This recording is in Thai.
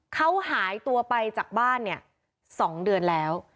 เขาหายตัวไปจากบ้านเนี่ย๒เดือนแล้ว